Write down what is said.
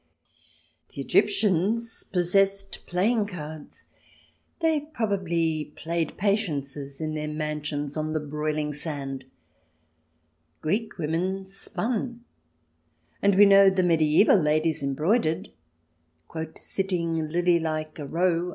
The Egyptians possessed playing cards; they probably played Patiences in their mansions on the 202 THE DESIRABLE ALIEN [ch. xv broiling sand. Greek women spun, and we know the medieval ladies embroidered " sitting, lily like, a row."